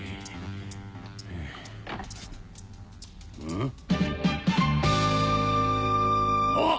ん？あっ！